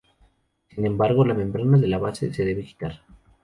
Sin embargo, la membrana de la base se debe quitar.